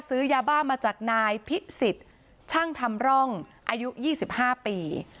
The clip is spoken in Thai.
ซื้อยาบ้ามาจากนายพิสิทธิ์ช่างทำร่องอายุ๒๕ปี